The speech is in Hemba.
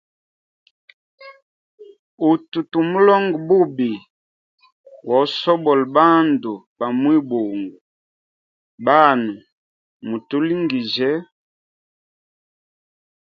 Utu tumulonga bubi wa usobola bandu ba mwibungo, banwe mutulingiye.